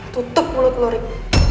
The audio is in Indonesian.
tutup mulut lu rik